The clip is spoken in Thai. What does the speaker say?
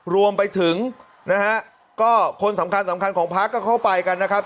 รวมไปถึงนะฮะก็คนสำคัญสำคัญของพักก็เข้าไปกันนะครับ